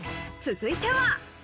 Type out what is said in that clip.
続いては。